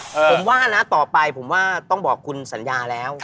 ผมว่านะต่อไปผมว่าต้องบอกคุณสัญญาแล้ว